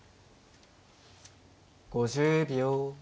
５０秒。